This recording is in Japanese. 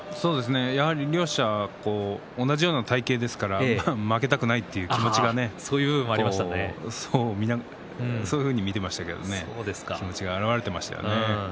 やはり両者同じような体形ですから負けたくないという気持ちがそういうふうに見ていましたけれどもね気持ちが表れていましたよね。